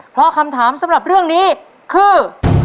เพราะคำถามสำหรับเรื่องนี้คือ